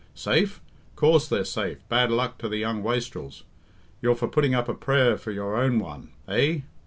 Safe? Coorse they're safe, bad luck to the young wastrels! You're for putting up a prayer for your own one. Eh?